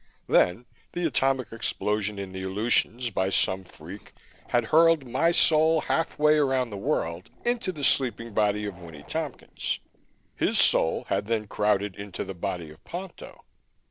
Then the atomic explosion in the Aleutians, by some freak, had hurled my soul half way around the world into the sleeping body of Winnie Tompkins. His soul had then crowded into the body of Ponto.